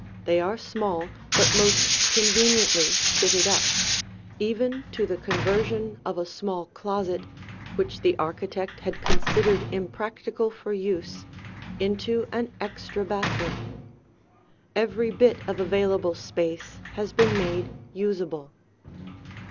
They are small but most conveniently fitted up, even to the conversion of a small closet, which the architect had considered impractical for use, into an extra bathroom. Every bit of available space has been made usable.